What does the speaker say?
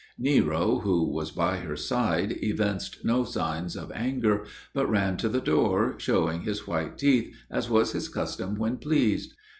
Nero, who was by her side, evinced no signs of anger, but ran to the door, showing his white teeth, as was his custom when pleased.